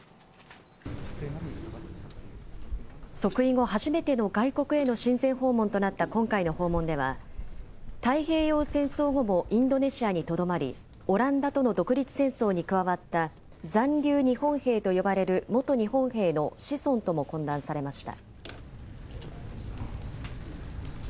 即位後、初めての外国への親善訪問となった今回の訪問では、太平洋戦争後もインドネシアにとどまり、オランダとの独立戦争に加わった残留日本兵と呼ばれる元日本兵の子孫とも懇談されました。